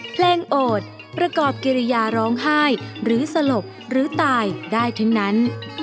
โอดประกอบกิริยาร้องไห้หรือสลบหรือตายได้ทั้งนั้น